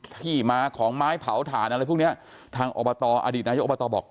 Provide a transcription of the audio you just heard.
ที่มาของไม้เผาถ่านอะไรพวกเนี้ยทางอบตอดีตนายกอบตบอก